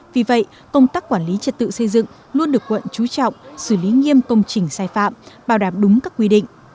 vì vậy công tác quản lý trật tự xây dựng luôn được quận trú trọng xử lý nghiêm công trình sai phạm bảo đảm đúng các quy định